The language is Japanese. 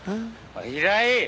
平井！